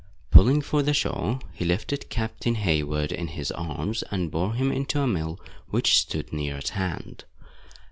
Pulling for the shore, he lifted Captain Hayward in his arms, and bore him into a mill, which stood near at hand.